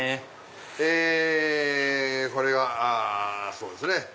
えこれがそうですね。